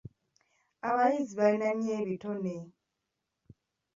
Abayizi balina nnyo ebitone.